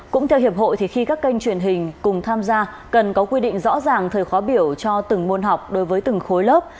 cũng theo hiệp hội khi các kênh truyền hình cùng tham gia cần có quy định rõ ràng thời khóa biểu cho từng môn học đối với từng khối lớp